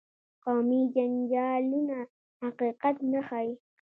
قومي جنجالونه حقیقت نه ښيي.